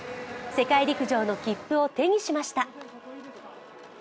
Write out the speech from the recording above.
世界陸上の切符を手にしました。